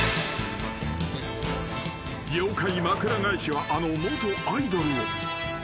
［妖怪まくら返しはあの元アイドルを］